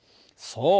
そう。